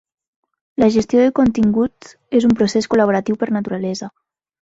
La gestió de continguts és un procés col·laboratiu per naturalesa.